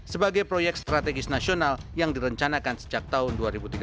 sebagai proyek strategis nasional yang direncanakan sejak tahun dua ribu tiga belas